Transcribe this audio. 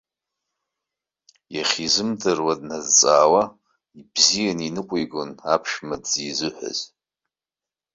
Иахьизымдыруа дназҵаауа, ибзианы иныҟәигон аԥшәма дзызиҳәаз.